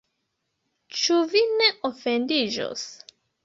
Ĉu vi ne ofendiĝos?